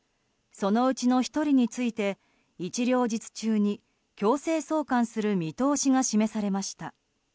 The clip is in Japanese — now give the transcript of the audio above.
そのうちの１人について一両日中に強制送還する見通しが示されました。